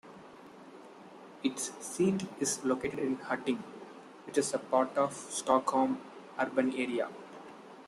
Its seat is located in Huddinge, which is a part of Stockholm urban area.